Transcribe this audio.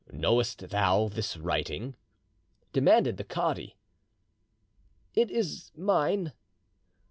"Knowest thou this writing?" demanded the cadi.—"It is mine."